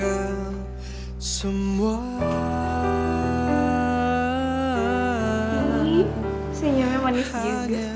ini senyumnya manis juga